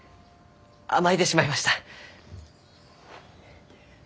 甘えてしまいました。